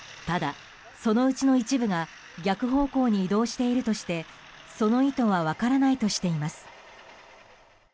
ただ、そのうちの一部が逆方向に移動しているとしてその意図は分からないとしています。